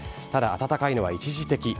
ただ、暖かいのは一時的。